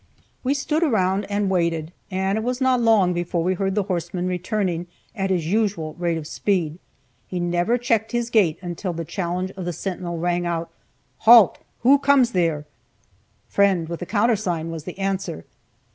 We stood around and waited, and it was not long before we heard the horseman returning at his usual rate of speed. He never checked his gait until the challenge of the sentinel rang out, "Halt! Who comes there?" "Friend, with the countersign!" was the answer.